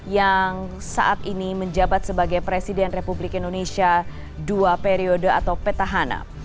yang saat ini menjabat sebagai presiden republik indonesia dua periode atau petahana